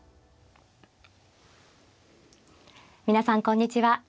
皆さんこんにちは。